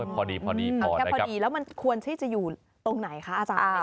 พอดีแล้วมันควรที่จะอยู่ตรงไหนคะอาจารย์ในส่วนต่อ